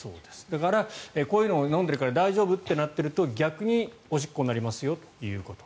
だからこういうのを飲んでいるから大丈夫ってなっていると逆におしっこになりますよということ。